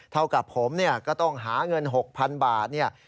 เท่ากับผมก็ต้องหาเงิน๖๐๐๐บาท